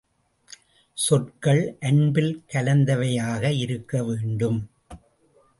சொற்கள் அன்பில் கலந்தவையாக இருக்க வேண்டும்.